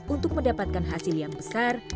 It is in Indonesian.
untuk mendapatkan hasil yang besar